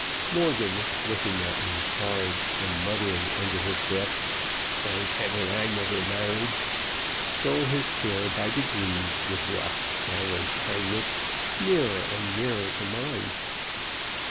Morgan, looking at me hard, and muttering under his breath, "Thank Heaven, I never married!" stole his chair by degrees, with rough, silent kindness, nearer and nearer to mine.